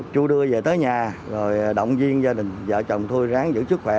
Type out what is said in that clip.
chú đưa về tới nhà rồi động viên gia đình vợ chồng thôi ráng giữ sức khỏe